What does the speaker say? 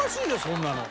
そんなの。